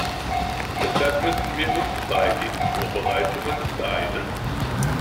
Deshalb müssen wir uns bei den Vorbereitungen beeilen.